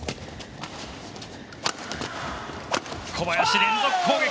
小林、連続攻撃！